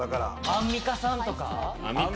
アンミカさんとか。